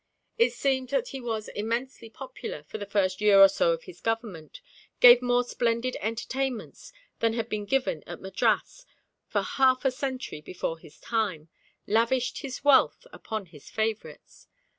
It seems that he was immensely popular for the first year or so of his government, gave more splendid entertainments than had been given at Madras for half a century before his time, lavished his wealth upon his favourites.